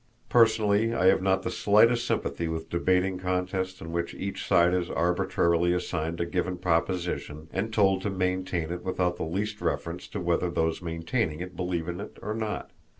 Personally I have not the slightest sympathy with debating contests in which each side is arbitrarily assigned a given proposition and told to maintain it without the least reference to whether those maintaining it believe in it or not.